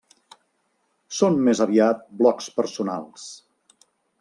Són més aviat blocs personals.